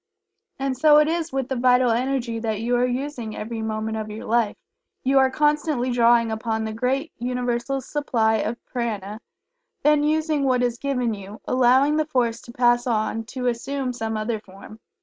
And so it is with the Vital Energy that you are using every moment of your life. You are constantly drawing upon the great Universal supply of Prana, then using what is given you, allowing the force to pass on to assume some other form.